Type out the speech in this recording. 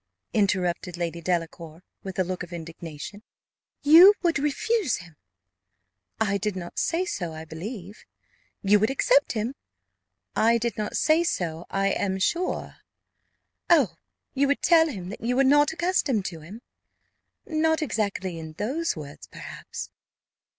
interrupted Lady Delacour, with a look of indignation "you would refuse him?" "I did not say so, I believe." "You would accept him?" "I did not say so, I am sure." "Oh, you would tell him that you were not accustomed to him?" "Not exactly in those words, perhaps."